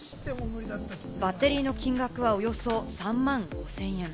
バッテリーの金額はおよそ３万５０００円。